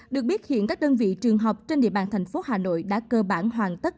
được biết hiện các đơn vị trường học trên địa bàn thành phố hà nội đã cơ bản hoàn tất